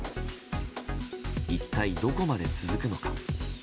一体どこまで続くのか。